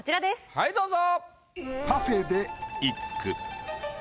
はいどうぞ。